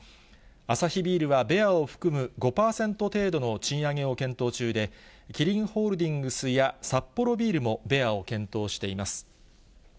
アサヒビールはベアを含む５％程度の賃上げを検討中で、キリンホールディングスやサッポロビールもベアを検討しています。